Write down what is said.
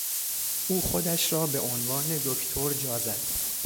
او خودش را به عنوان دکتر جا زد.